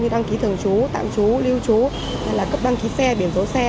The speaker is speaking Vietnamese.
như đăng ký thường chú tạm chú lưu chú hay là cấp đăng ký xe biển số xe